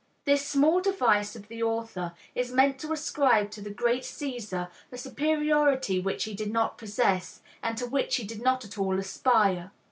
This small device of the author is meant to ascribe to the great Caesar a superiority which he did not possess, and to which he did not at all aspire.